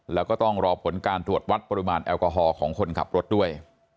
แล้วก็ต้องรอผลการตรวจวัดปริมาณแอลกอฮอล์ของคนขับรถด้วย